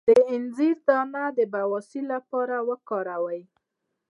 د انځر دانه د بواسیر لپاره وکاروئ